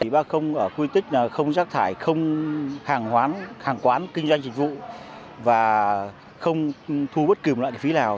bác không ở khu di tích không rác thải không hàng quán kinh doanh dịch vụ và không thu bất cứ một loại phí nào